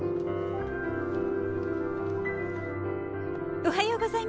おはようございます！